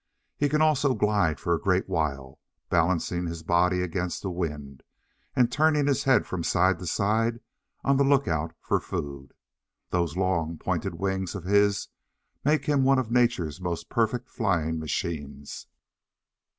He can also glide for a great while, balancing his body against the wind, and turning his head from side to side on the look out for food. Those long, pointed wings of his make him one of Nature's most perfect flying machines.